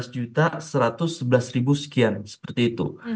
sebelas juta satu ratus sebelas ribu sekian seperti itu